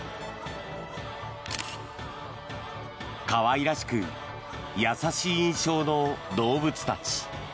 可愛らしく優しい印象の動物たち。